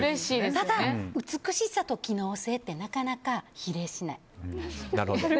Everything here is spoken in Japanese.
ただ、美しさと機能性ってなかなか比例しない。